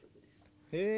へえ。